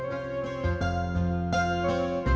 kenapa senyum senyum